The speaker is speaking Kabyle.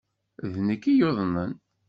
D nekk i yuḍnen.